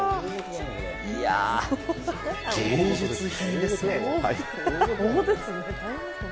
いやぁ、芸術品ですね。